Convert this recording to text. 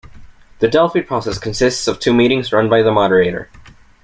The Delphi process consists of two meetings run by the moderator.